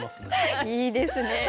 いいですね。